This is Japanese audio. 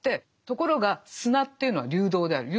ところが砂というのは流動である。